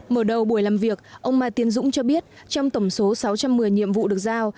mở đầu buổi làm việc ông mai tiến dũng cho biết trong tổng số sáu trăm một mươi nhiệm vụ được giao